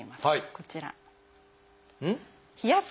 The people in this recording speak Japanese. こちら。